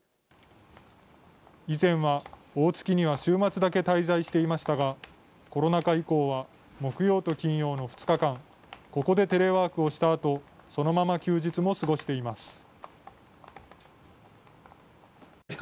以前は、大月には週末だけ滞在していましたが、コロナ禍以降は、木曜と金曜の２日間、ここでテレワークをしたあと、そのまま休日も過ごしています。